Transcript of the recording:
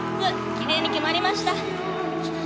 きれいに決まりました。